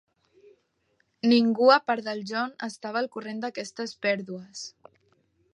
Ningú a part del John estava al corrent d'aquestes pèrdues.